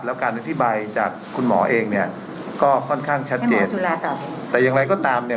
แล้วการอธิบายจากคุณหมอเองเนี่ยก็ค่อนข้างชัดเจนดูแลต่อไปแต่อย่างไรก็ตามเนี่ย